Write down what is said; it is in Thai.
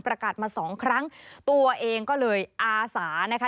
ประกาศมาสองครั้งตัวเองก็เลยอาสานะคะ